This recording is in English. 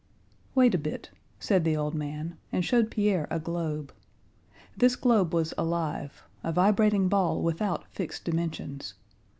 "Wait a bit," said the old man, and showed Pierre a globe. This globe was alive—a vibrating ball without fixed dimensions.